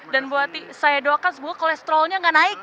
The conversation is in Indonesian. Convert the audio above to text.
dan saya doakan sebuah kolesterolnya nggak naik